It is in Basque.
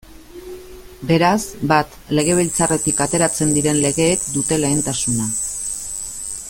Beraz, bat, Legebiltzarretik ateratzen diren legeek dute lehentasuna.